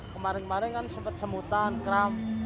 kemarin kemarin kan sempat semutan kram